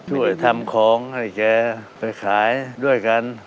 ช่วยทำของให้แกไปขายด้วยกัน